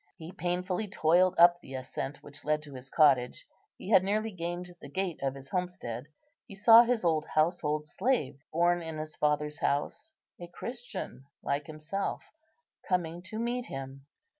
He painfully toiled up the ascent which led to his cottage. He had nearly gained the gate of his homestead; he saw his old household slave, born in his father's house, a Christian like himself, coming to meet him.